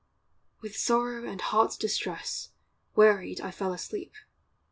With sorrow and heart's distress Wearied, I fell asleep.